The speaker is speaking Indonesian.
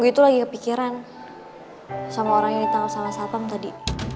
itu lagi kepikiran sama orang yang ditangkap sama satpam tadi